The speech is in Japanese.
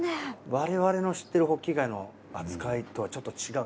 我々の知っているほっき貝の扱いとはちょっと違う。